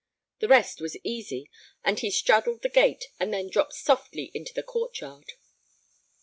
The rest was easy, and he straddled the gate and then dropped softly into the court yard.